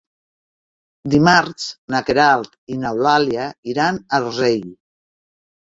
Dimarts na Queralt i n'Eulàlia iran a Rossell.